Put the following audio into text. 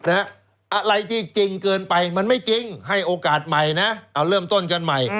อะไรที่จริงเกินไปมันไม่จริงให้โอกาสใหม่นะเอาเริ่มต้นกันใหม่